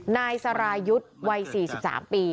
นายสรายุทธ์วัย๔๓ปี